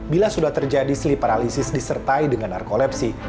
bila sudah terjadi slee paralysis disertai dengan narkolepsi